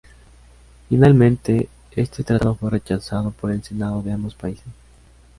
Finalmente, este tratado fue rechazado por el senado de ambos países.